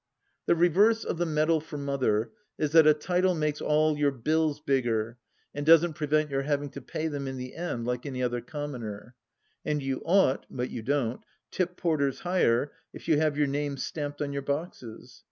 . The reverse of the medal for Mother is that a title makes all your bills bigger and doesn't prevent your having to pay them in the end, like any other commoner. And you ought, but you don't, tip porters higher if you have your name stamped on your boxes.